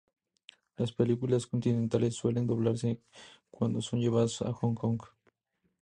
Las películas continentales suelen doblarse cuando son llevadas a Hong Kong.